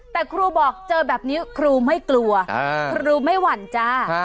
แต่ครูบอกเจอแบบนี้ครูไม่กลัวครูไม่หวั่นจ้า